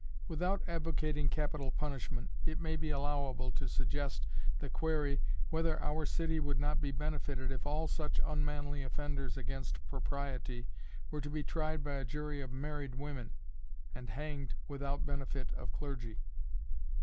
Without advocating capital punishment, it may be allowable to suggest the query whether our city would not be benefited if all such unmanly offenders against propriety were to be tried by a jury of married women, and hanged without benefit of clergy.